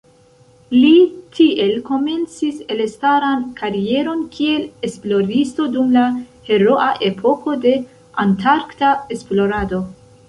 Li tiel komencis elstaran karieron kiel esploristo dum la heroa epoko de antarkta esplorado.